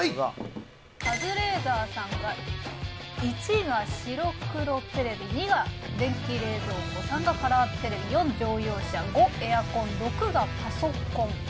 カズレーザーさんが①が白黒テレビ②が電気冷蔵庫③がカラーテレビ④乗用車⑤エアコン⑥がパソコン。